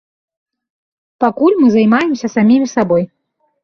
Пакуль мы займаемся самімі сабой.